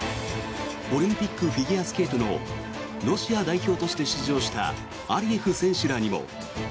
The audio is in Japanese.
オリンピックフィギュアスケートのロシア代表として出場したアリエフ選手らにも。